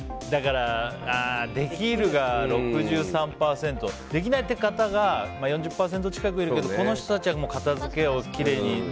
できるが６３％。できないって方が４０％近くいるけどこの人たちは片付けをきれいにね。